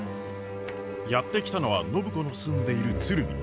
やって来たのは暢子の住んでいる鶴見。